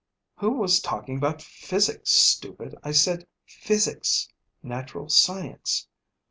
"Who was talking about physic, stupid? I said physics natural science.